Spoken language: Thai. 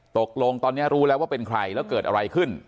ตกลงตอนนี้รู้แล้วว่าเป็นใครแล้วเกิดอะไรขึ้น